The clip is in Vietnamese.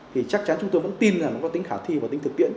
thì chắc chắn chúng tôi vẫn tin là nó có tính khả thi và tính thực tiễn